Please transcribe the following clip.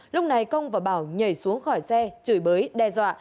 lúc này công và bảo nhảy xuống khỏi xe chửi bới đe dọa